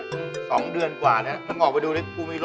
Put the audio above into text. อ่ะนี่มึงออกไปดูนี่เนี่ย